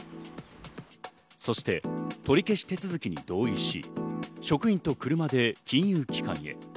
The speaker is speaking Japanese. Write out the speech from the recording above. そして取り消し手続きに同意し、職員と車で金融機関へ。